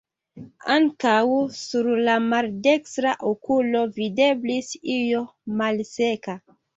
Ankaŭ sur la maldekstra okulo videblis io malseka.